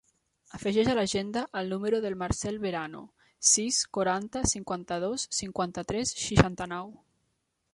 Afegeix a l'agenda el número del Marcel Verano: sis, quaranta, cinquanta-dos, cinquanta-tres, seixanta-nou.